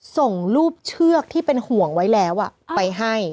ส่งรูปเชือกที่เป็นห่วงไว้แล้วไปให้